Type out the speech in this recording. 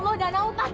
aku dana yang asli